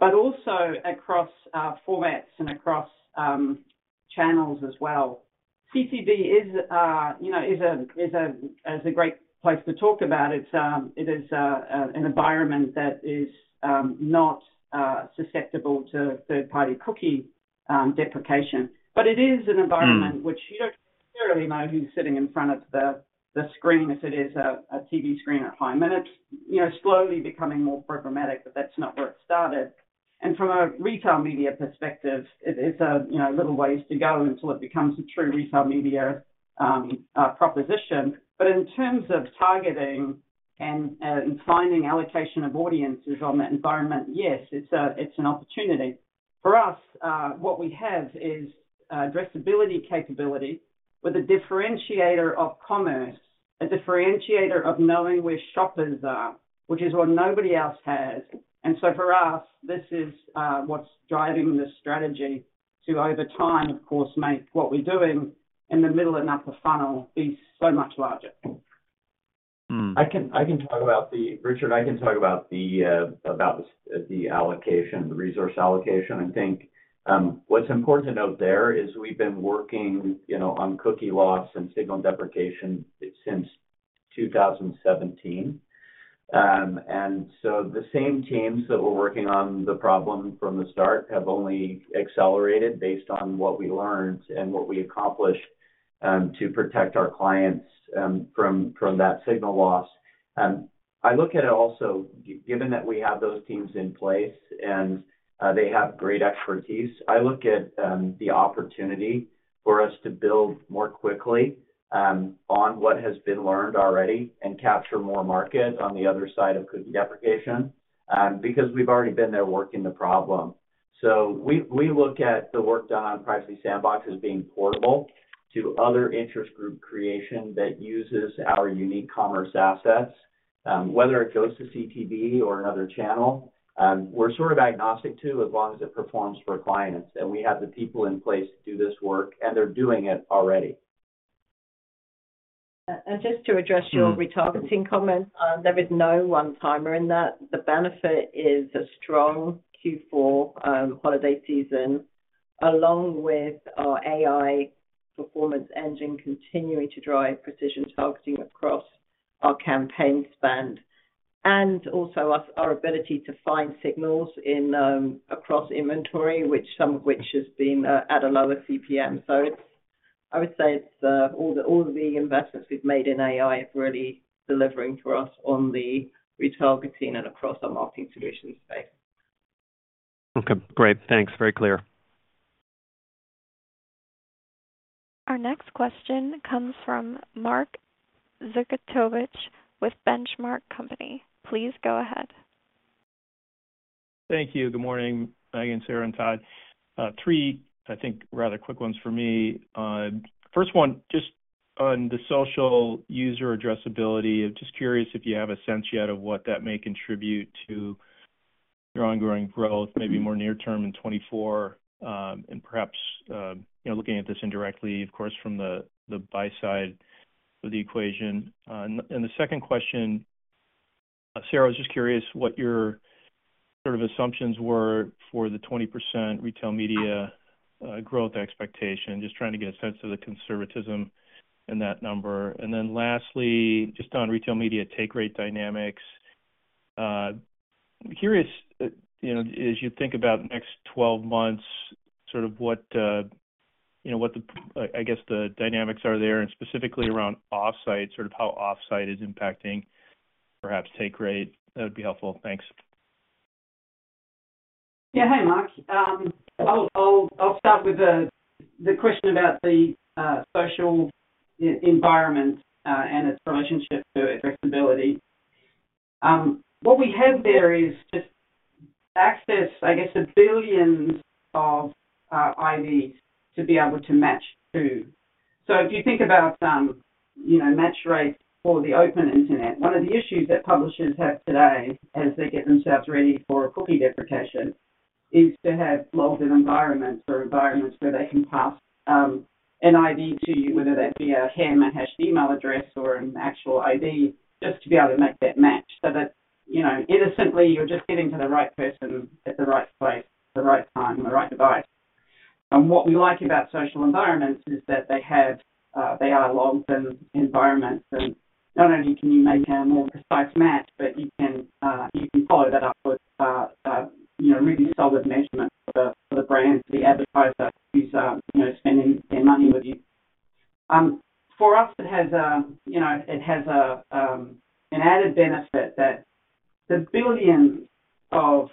but also across formats and across channels as well. CTV is, you know, a great place to talk about. It is an environment that is not susceptible to third-party cookie deprecation, but it is an environment which you don't clearly know who's sitting in front of the screen, if it is a TV screen at home. And it's, you know, slowly becoming more programmatic, but that's not where it started. And from a retail media perspective, it is a little ways to go until it becomes a true retail media proposition. But in terms of targeting and finding allocation of audiences on that environment, yes, it's an opportunity. For us, what we have is addressability capability with a differentiator of commerce, a differentiator of knowing where shoppers are, which is what nobody else has. And so for us, this is what's driving this strategy to, over time, of course, make what we're doing in the middle and upper funnel be so much larger. I can, I can talk about the Richard, I can talk about the, about the the allocation, the resource allocation. I think, what's important to note there is we've been working, you know, on cookie loss and signal deprecation since 2017. And so the same teams that were working on the problem from the start have only accelerated based on what we learned and what we accomplished, to protect our clients, from that signal loss. I look at it also, given that we have those teams in place and, they have great expertise, I look at, the opportunity for us to build more quickly, on what has been learned already and capture more market on the other side of cookie deprecation, because we've already been there working the problem. We look at the work done on Privacy Sandbox as being portable to other interest group creation that uses our unique commerce assets, whether it goes to CTV or another channel, we're sort of agnostic to, as long as it performs for our clients, and we have the people in place to do this work, and they're doing it already. Just to address your retargeting comment, there is no one-timer in that. The benefit is a strong Q4 holiday season, along with our AI performance engine continuing to drive precision targeting across our campaign spend, and also our ability to find signals in across inventory, which some of which has been at a lower CPM. So it's, I would say it's all the investments we've made in AI is really delivering for us on the retargeting and across our Marketing Solutions space. Okay, great. Thanks. Very clear. Our next question comes from Mark Zgutowicz with The Benchmark Company. Please go ahead. Thank you. Good morning, Megan, Sarah, and Todd. Three, I think, rather quick ones for me. First one, just on the social user addressability, just curious if you have a sense yet of what that may contribute to strong growing growth, maybe more near term in 2024, and perhaps, you know, looking at this indirectly, of course, from the buy side of the equation. And the second question, Sarah, I was just curious what your sort of assumptions were for the 20% retail media growth expectation. Just trying to get a sense of the conservatism in that number. And then lastly, just on retail media take rate dynamics, I'm curious, you know, as you think about next 12 months, sort of what, you know, what the, I guess the dynamics are there, and specifically around off-site, sort of how off-site is impacting, perhaps take rate. That would be helpful. Thanks. Yeah. Hi, Mark. I'll start with the question about the social environment and its relationship to addressability. What we have there is just access, I guess, to billions of IDs to be able to match to. So if you think about, you know, match rates for the Open Internet, one of the issues that publishers have today, as they get themselves ready for cookie deprecation, is to have logged-in environments or environments where they can pass an ID to you, whether that be a HEM, a hashed email address, or an actual ID, just to be able to make that match. So that, you know, innocently, you're just getting to the right person at the right place, at the right time, on the right device. What we like about social environments is that they have, they are logged-in environments, and not only can you make a more precise match, but you can follow that up with, you know, really solid measurement for the brand, for the advertiser who's, you know, spending their money with you. For us, it has, you know, an added benefit that the billions of,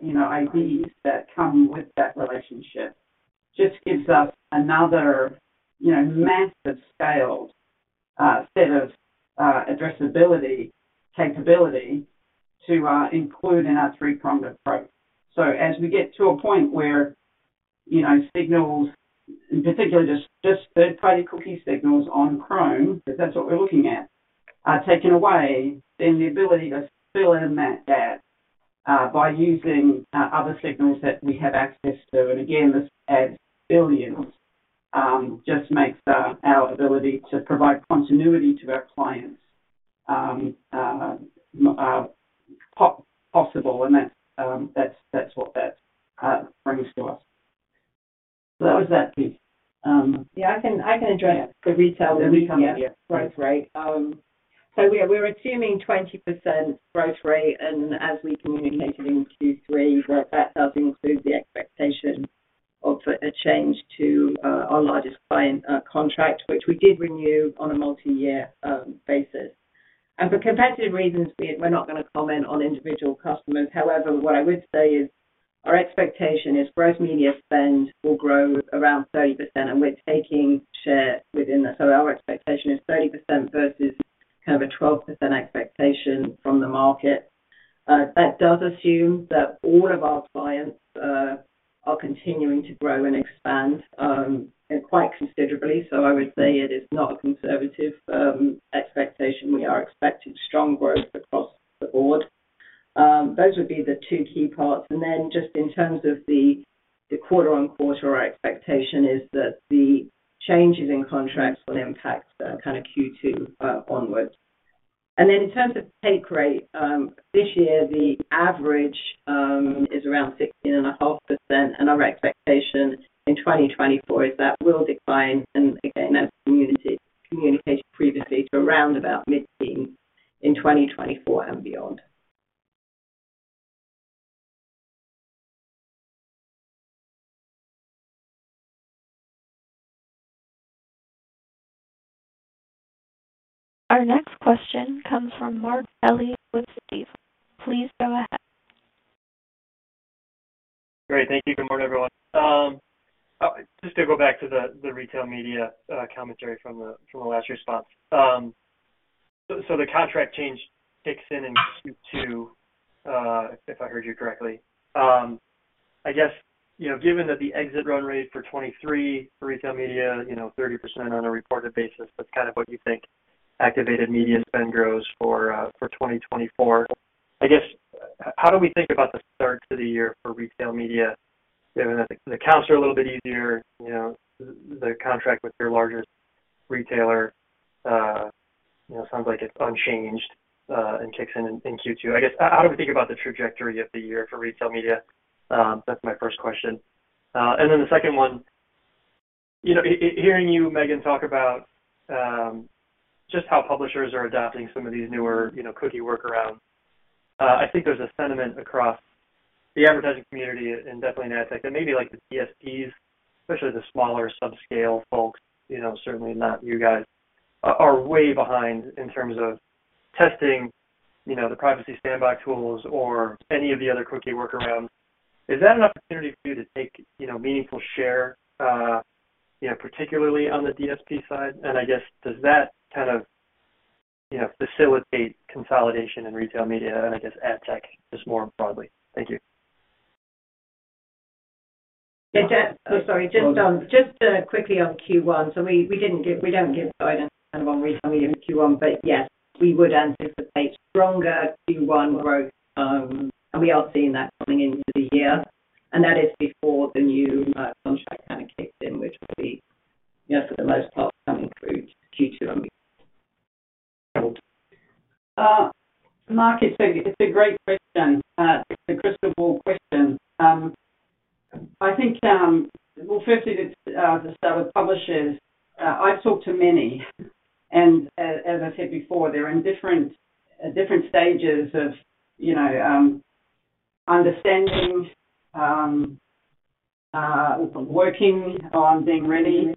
you know, IDs that come with that relationship just gives us another, you know, massive scale set of addressability capability to include in our three-pronged approach. So as we get to a point where, you know, signals, in particular, just third-party cookie signals on Chrome, because that's what we're looking at, are taken away, then the ability to fill in that gap... by using other signals that we have access to. And again, this adds billions just makes our ability to provide continuity to our clients possible, and that's what that brings to us. So that was that, please. Yeah, I can address the retail. The retail, yeah. Growth rate. So we're assuming 20% growth rate, and as we communicated in Q3, where that does include the expectation of a change to our largest client contract, which we did renew on a multi-year basis. And for competitive reasons, we're not going to comment on individual customers. However, what I would say is, our expectation is gross media spend will grow around 30%, and we're taking share within that. So our expectation is 30% versus kind of a 12% expectation from the market. That does assume that all of our clients are continuing to grow and expand and quite considerably. So I would say it is not a conservative expectation. We are expecting strong growth across the board. Those would be the two key parts. Then just in terms of the quarter-on-quarter, our expectation is that the changes in contracts will impact kind of Q2 onwards. Then in terms of take rate, this year the average is around 16.5%, and our expectation in 2024 is that will decline, and again, as communicated previously, to around mid-teens in 2024 and beyond. Our next question comes from Mark Kelley with Goldman Sachs. Please go ahead. Great. Thank you. Good morning, everyone. Just to go back to the retail media commentary from the last response. So the contract change kicks in in Q2, if I heard you correctly. I guess, you know, given that the exit run rate for 2023 retail media, you know, 30% on a reported basis, that's kind of what you think activated media spend grows for 2024. I guess, how do we think about the start to the year for retail media, given that the accounts are a little bit easier, you know, the contract with your largest retailer, you know, sounds like it's unchanged, and kicks in in Q2? I guess, how do we think about the trajectory of the year for retail media? That's my first question. And then the second one, you know, hearing you, Megan, talk about just how publishers are adapting some of these newer, you know, cookie workarounds, I think there's a sentiment across the advertising community and definitely in ad tech, that maybe like the DSPs, especially the smaller subscale folks, you know, certainly not you guys, are way behind in terms of testing, you know, the Privacy Sandbox tools or any of the other cookie workarounds. Is that an opportunity for you to take, you know, meaningful share, you know, particularly on the DSP side? And I guess, does that kind of, you know, facilitate consolidation in retail media and I guess ad tech, just more broadly? Thank you. Just quickly on Q1. So we, we didn't give, we don't give guidance for one reason we give Q1, but yes, we would anticipate stronger Q1 growth. And we are seeing that coming into the year, and that is before the new contract kind of kicks in, which will be, you know, for the most part, coming through Q2 and beyond. Mark, it's a great question. It's a crystal ball question. I think, well, firstly, to start with publishers, I've talked to many, and as I said before, they're in different, different stages of, you know, understanding, working on being ready,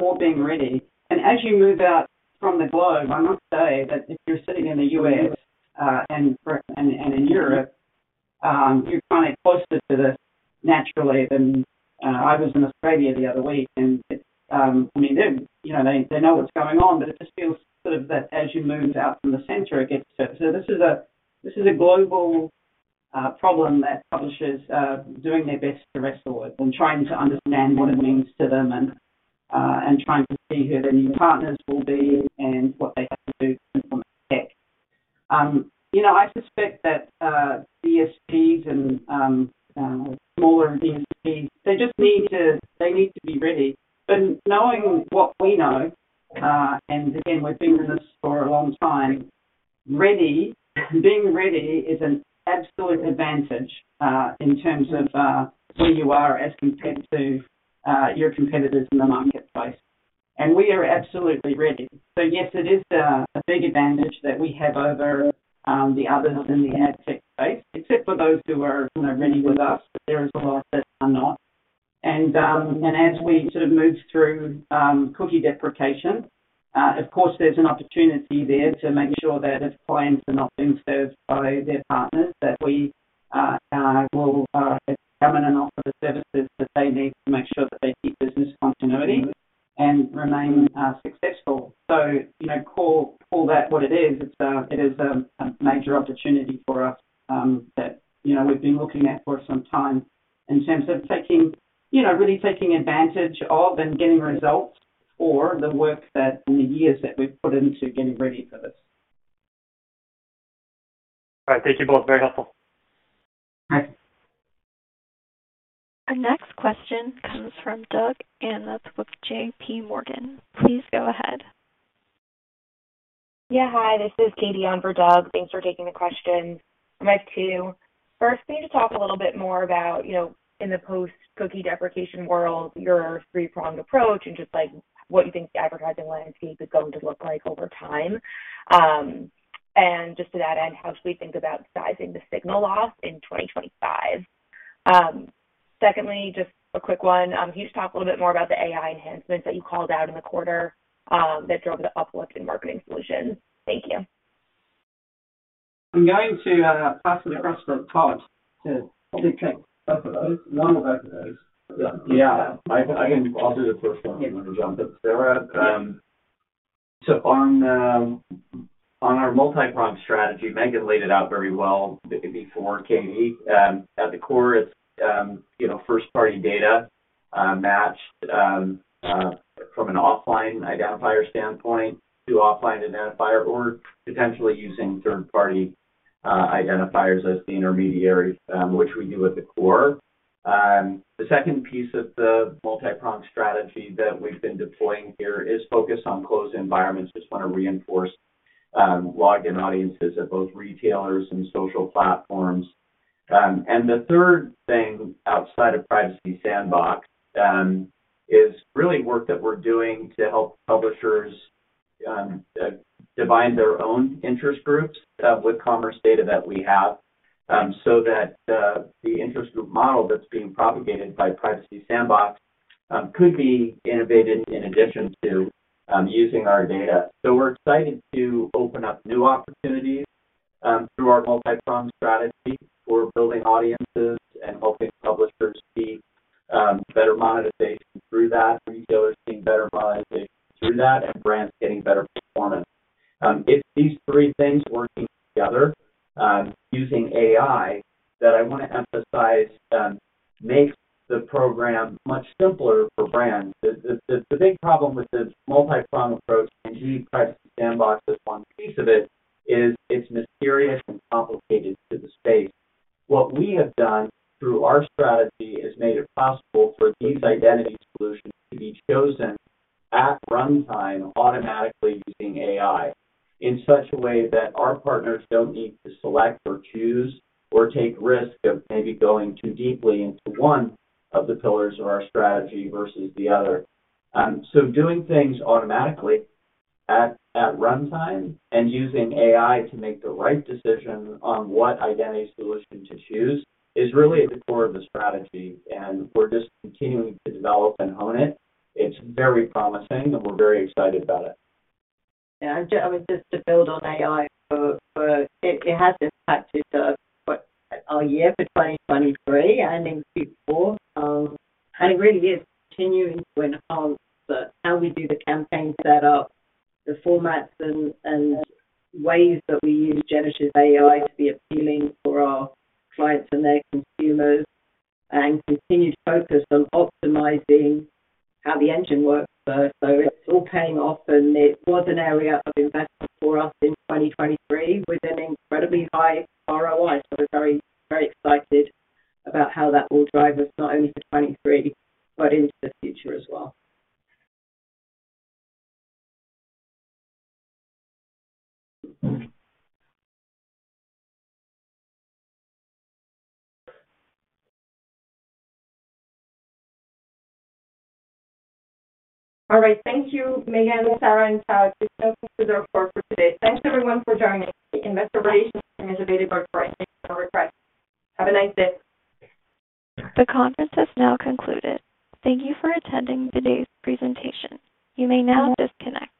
or being ready. And as you move out from the globe, I must say that if you're sitting in the U.S., and in Europe, you're kind of closer to this naturally than... I was in Australia the other week, and it, I mean, them, you know, they, they know what's going on, but it just feels sort of that as you move out from the center, it gets- so this is a, this is a global problem that publishers are doing their best to wrestle with and trying to understand what it means to them, and, and trying to see who their new partners will be and what they have to do to implement tech. You know, I suspect that, DSPs and, smaller DSPs, they just need to- they need to be ready. But knowing what we know, and again, we've been in this for a long time, ready, being ready is an absolute advantage, in terms of, where you are as compared to, your competitors in the marketplace. We are absolutely ready. So yes, it is a big advantage that we have over the others in the ad tech space, except for those who are, you know, ready with us, but there is a lot that are not. And as we sort of move through cookie deprecation, of course, there's an opportunity there to make sure that if clients are not being served by their partners, that we will come in and offer the services that they need to make sure that they keep business continuity and remain successful. So, you know, call that what it is. It is a major opportunity for us, that, you know, we've been looking at for some time in terms of taking, you know, really taking advantage of and getting results or the work that, in the years that we've put into getting ready for this. All right. Thank you both. Very helpful. Bye. Our next question comes from Doug Anmuth with J.P. Morgan. Please go ahead. Yeah, hi, this is Katy on for Doug. Thanks for taking the question. I have two. First, can you talk a little bit more about, you know, in the post-cookie deprecation world, your three-pronged approach and just, like, what you think the advertising landscape is going to look like over time? And just to that end, how should we think about sizing the signal loss in 2025? Secondly, just a quick one. Can you just talk a little bit more about the AI enhancements that you called out in the quarter, that drove the uplift in Marketing Solutions? Thank you. I'm going to pass it across for Todd to take. Yeah, I'll do the first one, and then jump in, Sarah. So on our multi-pronged strategy, Megan laid it out very well before Katy. At the core, it's you know, first-party data matched from an offline identifier standpoint to offline identifier or potentially using third-party identifiers as the intermediary, which we do at the core. The second piece of the multi-pronged strategy that we've been deploying here is focused on closed environments. Just want to reinforce login audiences at both retailers and social platforms. And the third thing, outside of Privacy Sandbox, is really work that we're doing to help publishers, define their own interest groups, with commerce data that we have, so that, the interest group model that's being propagated by Privacy Sandbox, could be innovated in addition to, using our data. So we're excited to open up new opportunities, through our multi-pronged strategy for building audiences and helping publishers see, better monetization through that, retailers seeing better monetization through that, and brands getting better performance. It's these three things working together, using AI, that I want to emphasize, makes the program much simpler for brands. The big problem with this multi-pronged approach, and Privacy Sandbox is one piece of it, is it's mysterious and complicated to the space. What we have done through our strategy is made it possible for these identity solutions to be chosen at runtime, automatically using AI, in such a way that our partners don't need to select or choose or take risk of maybe going too deeply into one of the pillars of our strategy versus the other. So doing things automatically at runtime and using AI to make the right decision on what identity solution to choose is really at the core of the strategy, and we're just continuing to develop and hone it. It's very promising, and we're very excited about it. Yeah, I just to build on AI for it. It has impacted us in our year for 2023 and before. And it really is continuing to enhance how we do the campaign set up, the formats and ways that we use generative AI to be appealing for our clients and their consumers, and continue to focus on optimizing how the engine works. So it's all paying off, and it was an area of investment for us in 2023 with an incredibly high ROI. So we're very, very excited about how that will drive us, not only for 2023, but into the future as well. All right. Thank you, Megan, Sarah, and Todd. This concludes our call for today. Thanks, everyone, for joining. The Investor Relations is available for any requests. Have a nice day. The conference has now concluded. Thank you for attending today's presentation. You may now disconnect.